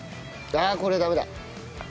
ああこれダメだ！